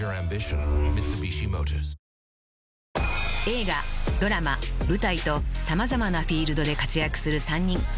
［映画ドラマ舞台と様々なフィールドで活躍する３人］